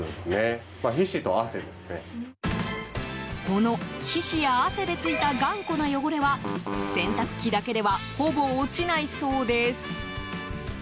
この、皮脂や汗でついた頑固な汚れは洗濯機だけではほぼ落ちないそうです。